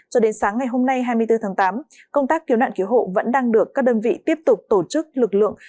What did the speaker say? cho đến sáng ngày hôm nay hai mươi bốn tháng tám công tác cứu nạn cứu hộ vẫn đang được các đơn vị tiếp tục tổ chức lực lượng